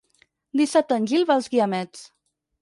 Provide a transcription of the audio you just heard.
Dissabte en Gil va als Guiamets.